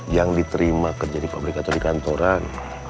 yang diterima kerja di pabrik atau di kantoran